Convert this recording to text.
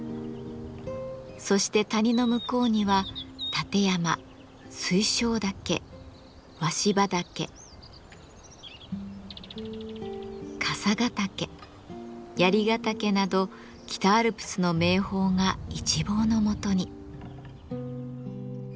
そして谷の向こうには立山水晶岳鷲羽岳笠ヶ岳槍ヶ岳など北アルプスの名峰が一望のもとに。